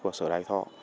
và sở đài thọ